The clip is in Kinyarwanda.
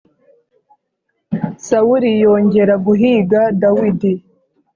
Sawuli yongera guhīga Dawidi